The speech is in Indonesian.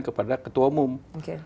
kepada ketua umum oke